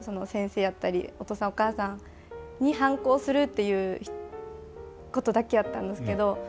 先生やったりお父さんお母さんに反抗するっていうことだけやったんどすけど。